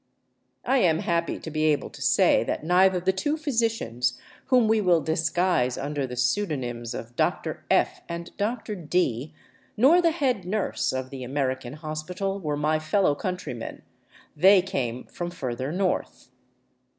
I am happy to be able to say that neither the two physicians, whom we will disguise under the pseudonyms of Dr. F and Dr. D, nor the head nurse, of the American hospital were my fellow countrymen; they came from further north.